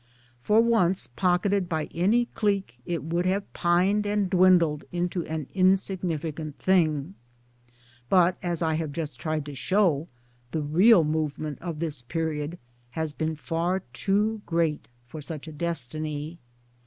For once pocketed by any clique it would have pined and dwindled into an insignifi cant thing ; but, as I have just tried to show, the real movement of this period has been far too great for such a destiny.